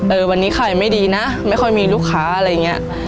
วันนี้ขายไม่ดีนะไม่ค่อยมีลูกค้าอะไรอย่างนี้